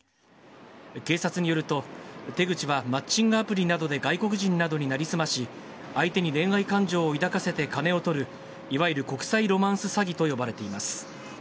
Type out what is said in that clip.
警察によると、手口はマッチングアプリなどで外国人などに成り済まし、相手に恋愛感情を抱かせて金を取る、いわゆる国際ロマンス詐欺と呼ばれています。